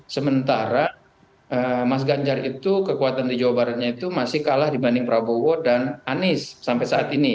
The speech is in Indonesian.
sementara mas ganjar itu kekuatan di jawa baratnya itu masih kalah dibanding prabowo dan anies sampai saat ini